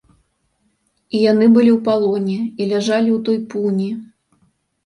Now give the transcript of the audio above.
І яны былі ў палоне і ляжалі ў той пуні.